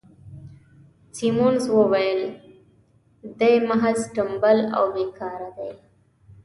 سیمونز وویل: دی محض ټمبل او بې کاره دی.